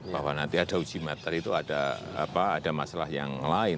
bahwa nanti ada uji materi itu ada masalah yang lain